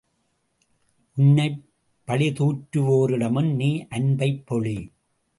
உன்னைப் பழிதூற்றுவோரிடமும் நீ அன்பைப் பொழி!